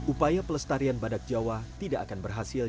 upaya pelestarian badak jawa tidak akan berhasil